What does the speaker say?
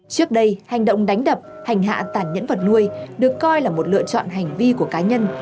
trước đây hành động đánh đập hành hạ tản nhẫn vật nuôi được coi là một lựa chọn hành vi của cá nhân